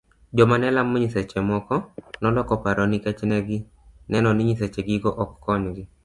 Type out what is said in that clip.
Joma nelamo nyiseche moko noloko paro nikech negi neno ni nyiseche gigo ok konygi.